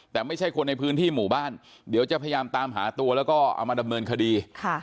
แต่ไม่ใช่คนในพื้นที่หมู่บ้านเดี๋ยวจะพยายามตามหาตัวแล้วก็เอามาดำเนินคดี